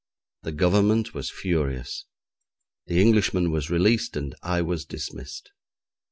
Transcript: The Government was furious. The Englishman was released and I was dismissed.